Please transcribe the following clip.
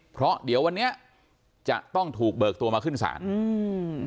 เพราะเดี๋ยววันนี้จะต้องถูกเบิกตัวมาขึ้นศาลอืม